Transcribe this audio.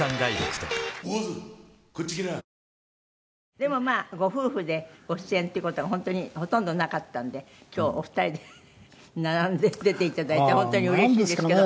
でもまあご夫婦でご出演っていう事が本当にほとんどなかったんで今日お二人で並んで出ていただいて本当にうれしいですけど。